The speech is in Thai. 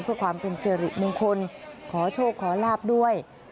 เพื่อความเป็นสิริมงคลขอโชคขอลาบด้วย